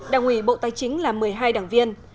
đảng ủy bộ tài chính là một mươi hai đảng viên